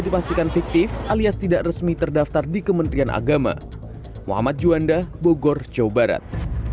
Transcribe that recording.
dipastikan fiktif alias tidak resmi terdaftar di kementerian agama muhammad juanda bogor jawa barat